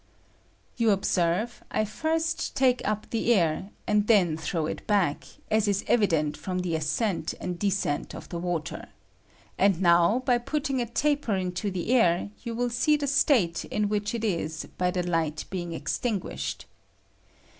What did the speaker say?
You observe, I first take up the air, and then throw it back, as is evi dent &om the ascent and descent of the water ; and now, by putting a taper into the air, you will see the state in which it is by the light be ing extinguished.